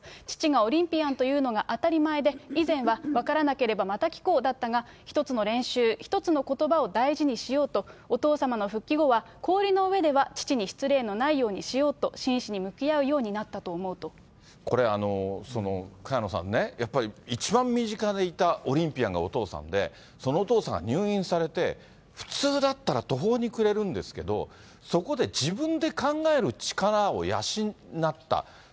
父がオリンピアンというのが当たり前で、以前は分からなければまた聞こうだったが、一つの練習、一つのことばを大事にしようと、お父様の復帰後は、氷の上では父に失礼のないようにしようと、真摯に向き合うようにこれ、萱野さんね、やっぱり一番身近でいたオリンピアンがお父さんで、そのお父さんが入院されて、普通だったら、途方に暮れるんですけど、そこで自分で考える力を養った。